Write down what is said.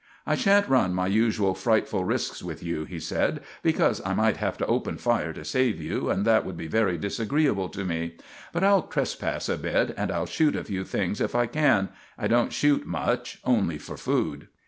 "I sha'n't run my usual frightful risks with you," he said, "because I might have to open fire to save you, and that would be very disagreeable to me; but we'll trespass a bit, and I'll shoot a few things, if I can. I don't shoot much, only for food."